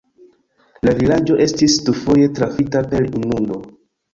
La vilaĝo estis dufoje trafita per inundo.